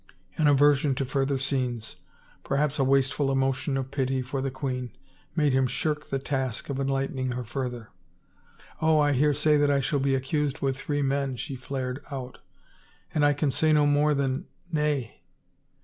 An aversion to further scenes — perhaps a wasteful emotion of pity for the queen — made him shirk the task of enlightening her further. " Oh, I hear say that I shall be accused with three men," she flared out, " and I can say no more than — nay